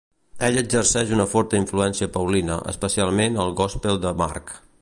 Ell exerceix una forta influència paulina, especialment al gospel de Mark.